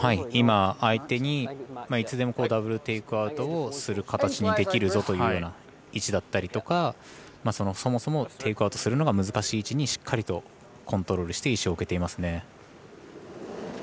今、相手にいつでもダブル・テイクアウトをする形にできるぞというような位置だったりとかそもそもテイクアウトするのが難しい位置にしっかりとコントロールして石を置けていますね。